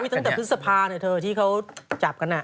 อุ้ยตั้งแต่พฤษภาเนี่ยเธอที่เขาจับกันนะ